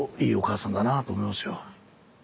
いいお母さんだなあと思いますよ。